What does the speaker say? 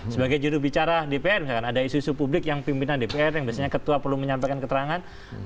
sebagai jurubicara dpr misalkan ada isu isu publik yang pimpinan dpr yang biasanya ketua perlu menyampaikan keterangan